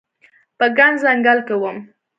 په ګڼ ځنګل کې وم